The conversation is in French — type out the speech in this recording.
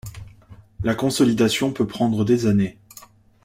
La consolidation peut prendre des années.